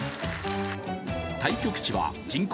対局地は人口